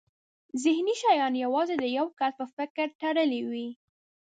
ذهني شیان یوازې د یو کس په فکر تړلي وي.